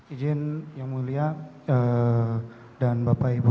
izin yang mulia dan bapak ibu